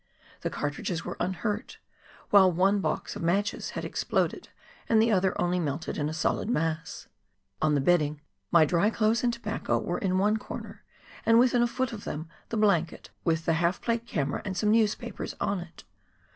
The cartridges were unhurt, while one box of matches had exploded and the other only melted in a solid mass. On the bedding my dry clothes and tobacco were in one corner, and within a foot of them the blanket, with the half plate camera and some newspapers on it.